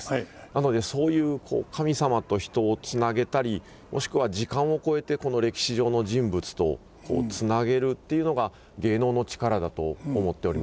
なのでそういう神様と人をつなげたりもしくは時間を超えて歴史上の人物とつなげるっていうのが芸能の力だと思っております。